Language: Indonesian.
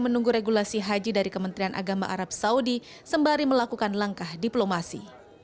menunggu regulasi haji dari kementerian agama arab saudi sembari melakukan langkah diplomasi